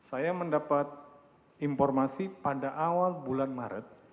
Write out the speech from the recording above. saya mendapat informasi pada awal bulan maret